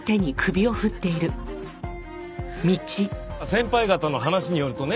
先輩方の話によるとね